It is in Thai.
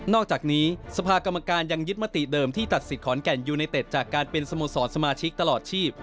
อกจากนี้สภากรรมการยังยึดมติเดิมที่ตัดสิทธิขอนแก่นยูไนเต็ดจากการเป็นสโมสรสมาชิกตลอดชีพ